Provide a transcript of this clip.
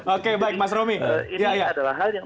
oke baik mas romi ini adalah hal yang